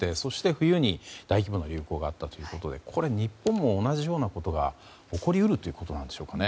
、冬に大規模な流行があったということでこれ、日本も同じようなことが起こり得るということですかね。